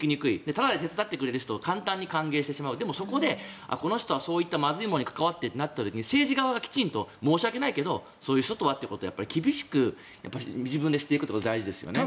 ただ手伝いに来る人を簡単に歓迎してしますでもそこでこの人はまずいものに関わっているなってなった時に政治側がきちんと申し訳ないけどそういう人とはってことを自分でしていくってことが大事ですよね。